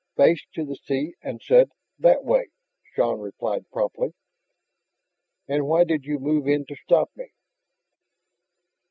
"Faced to the sea and said 'that way,'" Shann replied promptly. "And why did you move in to stop me?"